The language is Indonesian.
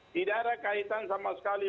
tidak ada kaitan sama sekali